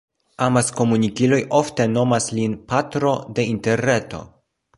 Amaskomunikiloj ofte nomas lin «patro de Interreto».